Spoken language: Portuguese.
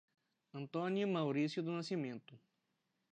Antônio Mauricio do Nascimento